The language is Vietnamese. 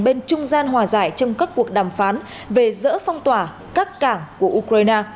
bên trung gian hòa giải trong các cuộc đàm phán về dỡ phong tỏa các cảng của ukraine